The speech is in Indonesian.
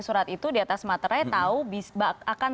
surat itu di atas materai tahu akan